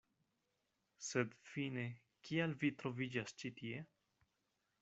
Sed fine kial vi troviĝas ĉi tie?